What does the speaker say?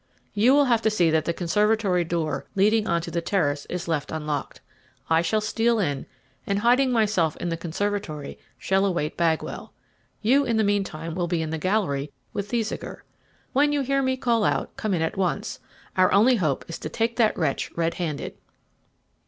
You will have to see that the conservatory door leading on to the terrace is left unlocked. I shall steal in, and, hiding myself in the conservatory, shall await Bagwell. You in the meantime will be in the gallery with Thesiger. When you hear me call out, come in at once. Our only hope is to take that wretch red handed."